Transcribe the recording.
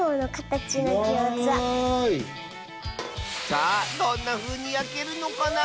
さあどんなふうにやけるのかな？